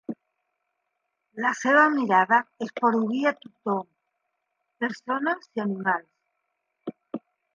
La seva mirada esporuguia tothom, persones i animals.